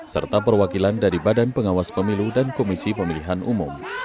serta perwakilan dari badan pengawas pemilu dan komisi pemilihan umum